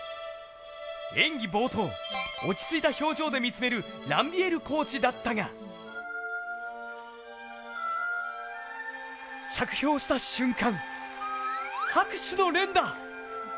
演技冒頭、落ち着いた表情で見つけるランビエールコーチだったが着氷した瞬間、拍手の連打。